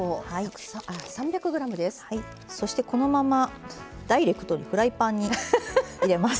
そしてこのままダイレクトにフライパンに入れます。